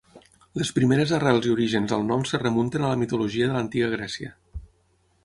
Les primeres arrels i orígens del nom es remunten a la mitologia de l'Antiga Grècia.